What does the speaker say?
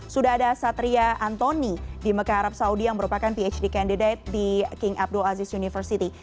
sudah ada satria antoni di mekah arab saudi yang merupakan phd candidate di king abdul aziz university